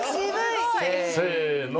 せの。